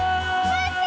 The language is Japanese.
待って！